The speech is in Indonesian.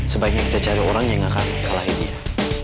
sebaiknya kita cari orang yang gak akan kalahi dia